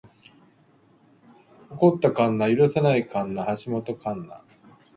起こった神無許さない神無橋本神無